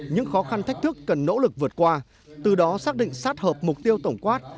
những khó khăn thách thức cần nỗ lực vượt qua từ đó xác định sát hợp mục tiêu tổng quát